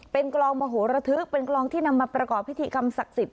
เป็นกลองมโหระทึกเป็นกลองที่นำมาประกอบพิธีกรรมศักดิ์สิทธิ